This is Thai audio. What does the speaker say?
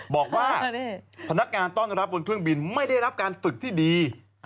บอกว่าพนักงานต้อนรับบนเครื่องบินไม่ได้รับการฝึกที่ดี